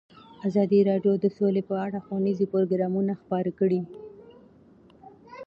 ازادي راډیو د سوله په اړه ښوونیز پروګرامونه خپاره کړي.